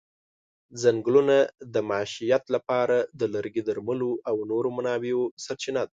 ځنګلونه د معیشت لپاره د لرګي، درملو او نورو منابعو سرچینه ده.